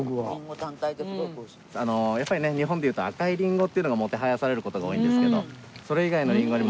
やっぱりね日本でいうと赤いリンゴっていうのがもてはやされる事が多いんですけど。